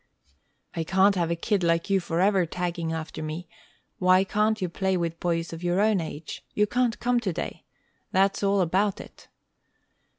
"I can't have a kid like you forever tagging after me. Why can't you play with boys of your own age? You can't come today, that's all about it."